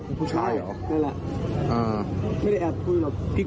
พี่โกรธเลยใช่ไหม